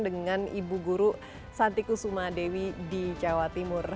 dengan ibu guru santi kusuma dewi di jawa timur